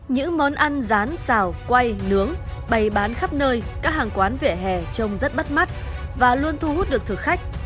những món ăn rán xào quay nướng bày bán khắp nơi các hàng quán vỉa hè trông rất bắt mắt và luôn thu hút được thực khách